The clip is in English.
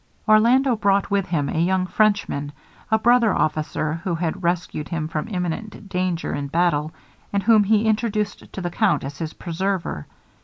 'Orlando brought with him a young Frenchman, a brother officer, who had rescued him from imminent danger in battle, and whom he introduced to the count as his preserver.